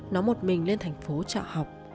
nó một mình lên thành phố trọ học